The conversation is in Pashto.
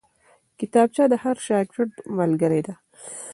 کتابچه د هر شاګرد ملګرې ده